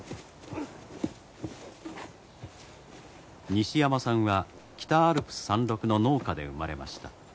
西山さんは北アルプス山麓の農家で生まれました。